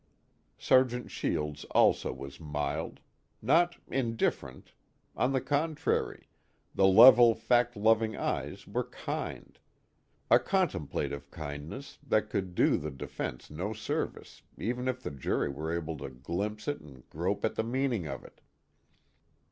Sergeant Shields also was mild. Not indifferent; on the contrary, the level fact loving eyes were kind. A contemplative kindness that could do the defense no service even if the jury were able to glimpse it and grope at the meaning of it.